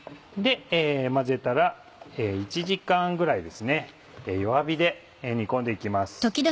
混ぜたら１時間ぐらい弱火で煮込んで行きます。